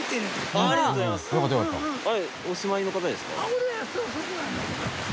お住まいの方ですか？